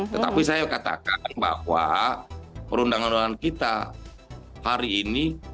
tetapi saya katakan bahwa perundangan undangan kita hari ini